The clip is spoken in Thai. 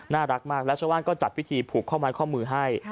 น่ารักมากแล้วชาวบ้านก็จัดพิธีผูกข้อไม้ข้อมือให้